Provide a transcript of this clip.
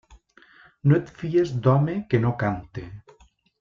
No et fies d'home que no cante.